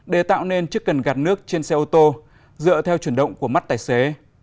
để tạo nên chiếc cần gạt nước trên xe ô tô dựa theo chuyển động của mắt tài xế